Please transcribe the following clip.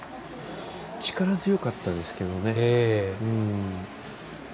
力強かったですけどね。